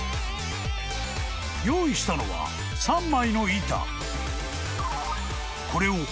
［用意したのは３枚の板］